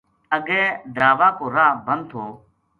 اگے دراوہ کو راہ بند تھو